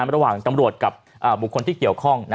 ระหว่างตำรวจกับบุคคลที่เกี่ยวข้อง